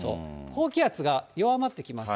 高気圧が弱まってきます。